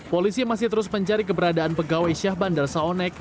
polisi masih terus mencari keberadaan pegawai syah bandar saonek